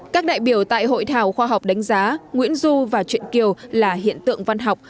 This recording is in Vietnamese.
các đại biểu tại hội thảo khoa học đánh giá nguyễn du và truyện kiều là hiện tượng văn học